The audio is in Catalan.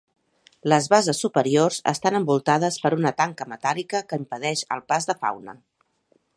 Les basses superiors estan envoltades per una tanca metàl·lica que impedeix el pas de fauna.